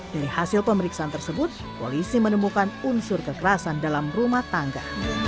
dari hasil pemeriksaan tersebut polisi menemukan unsur kekerasan dalam rumah tangga